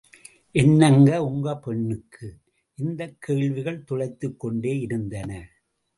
என்னங்க உங்க பெண்ணுக்கு? இந்தக் கேள்விகள் துளைத்துக்கொண்டே இருந்தன.